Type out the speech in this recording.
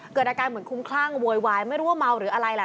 เกิดอาการเหมือนคุ้มคลั่งโวยวายไม่รู้ว่าเมาหรืออะไรแหละ